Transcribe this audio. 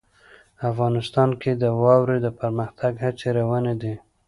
افغانستان کې د واوره د پرمختګ هڅې روانې دي.